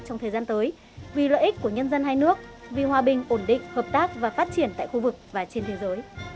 trong thời gian tới vì lợi ích của nhân dân hai nước vì hòa bình ổn định hợp tác và phát triển tại khu vực và trên thế giới